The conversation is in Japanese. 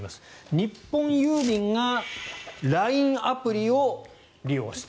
日本郵便がＬＩＮＥアプリを利用して。